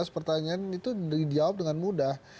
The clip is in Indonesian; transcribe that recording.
pertanyaan itu dijawab dengan mudah